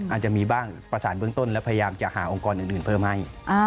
อาจจะมีบ้างประสานเบื้องต้นแล้วพยายามจะหาองค์กรอื่นเพิ่มให้